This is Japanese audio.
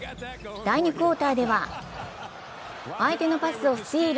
第２クオーターでは相手のパスをスティール。